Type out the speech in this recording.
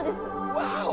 ワーオ！